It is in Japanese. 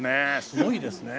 すごいですね。